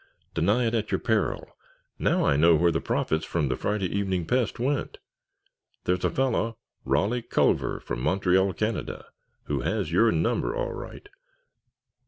Deny it at your peril! Now I know where the profits from the Friday Evening Pest went! There's a fellow—Rolly Culver, from Montreal, Canada—who has your number, all right!